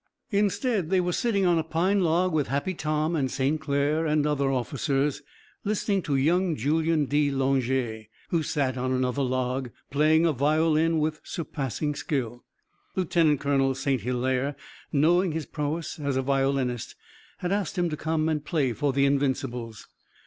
Instead they were sitting on a pine log with Happy Tom and St. Clair and other officers, listening to young Julien de Langeais, who sat on another log, playing a violin with surpassing skill. Lieutenant Colonel St. Hilaire, knowing his prowess as a violinist, had asked him to come and play for the Invincibles.